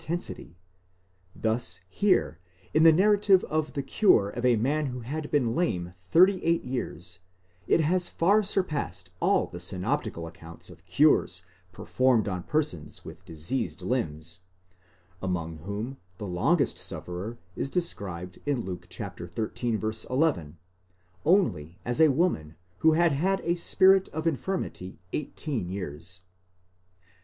tensity : thus here, in the narrative of the cure of a man who had been lame thirty eight years, it has far surpassed all the synoptical accounts of cures per formed on persons with diseased limbs, among whom the longest sufferer is described in Luke xiii. 11, only as a woman who had had a spirit of infirmity eighteen years.